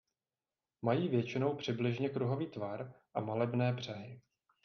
Mají většinou přibližně kruhový tvar a malebné břehy.